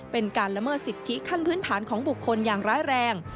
เป็นการละเมิดสิทธิขั้นพื้นฐานของบุคคลอย่างร้ายแรง